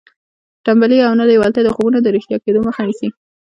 تنبلي او نه لېوالتیا د خوبونو د رښتیا کېدو مخه نیسي